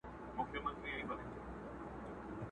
o د کمبلي پر يوه سر غم دئ، پر بل ښادي٫